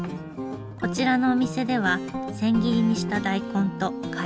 こちらのお店では千切りにした大根とカイワレがたっぷり。